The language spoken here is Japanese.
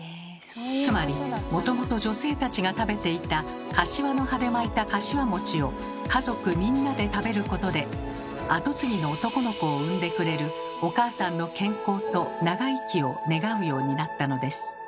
つまりもともと女性たちが食べていたかしわの葉で巻いたかしわを家族みんなで食べることで跡継ぎの男の子を産んでくれるお母さんの健康と長生きを願うようになったのです。